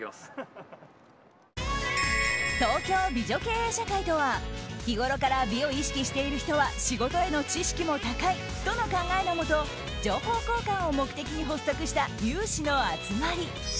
東京美女経営者会とは日ごろから美を意識している人は仕事への知識も高いとの考えのもと情報交換を目的に発足した有志の集まり。